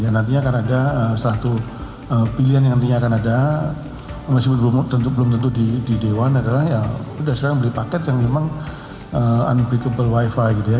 nantinya akan ada satu pilihan yang nantinya akan ada meskipun belum tentu di dewan adalah ya udah sekarang beli paket yang memang unbricable wifi gitu ya